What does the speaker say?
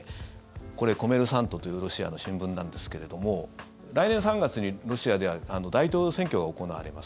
これコメルサントというロシアの新聞なんですけれども来年３月にロシアでは大統領選挙が行われます。